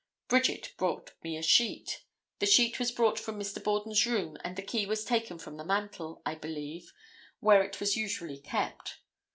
Bridget brought me a sheet; the sheet was brought from Mr. Borden's room and the key was taken from the mantel, I believe, where it was usually kept.